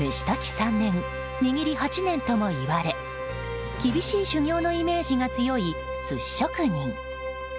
３年握り８年ともいわれ厳しい修業のイメージが強い寿司職人。